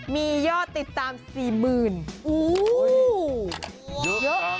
มียอดติดตาม๔๐๐๐๐โอ้โห